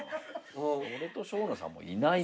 俺と生野さんはいない。